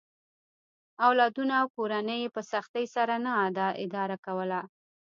اولادونه او کورنۍ یې په سختۍ سره نه اداره کوله.